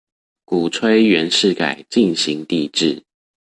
鼓吹袁世凱進行帝制